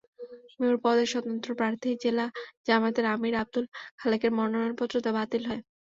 Mayor পদে স্বতন্ত্র প্রার্থী জেলা জামায়াতের আমির আবদুল খালেকের মনোনয়নপত্র বাতিল হয়।